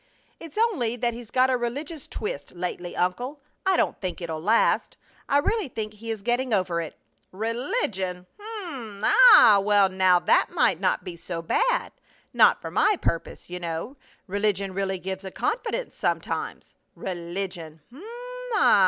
"It's only that he's got a religious twist lately, uncle. I don't think it'll last. I really think he is getting over it!" "Religion! Um! Ah! Well, now that might not be so bad not for my purpose, you know. Religion really gives a confidence sometimes. Religion! Um!